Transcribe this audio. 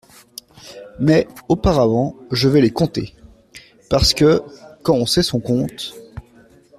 Mais, auparavant, je vais les compter… parce que, quand on sait son compte…